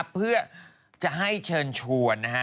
เพื่อจะให้เชิญชวน